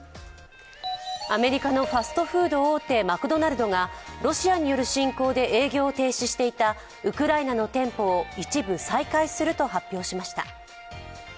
アメリカのファストフード大手、マクドナルドがロシアによる侵攻で営業を停止していたウクライナの店舗を一部再開すると発表しました。